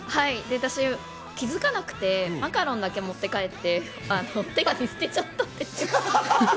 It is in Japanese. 私、気づかなくて、マカロンだけ持って帰って、お手紙、捨てちゃったんですよ。